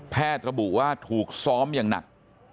ระบุว่าถูกซ้อมอย่างหนัก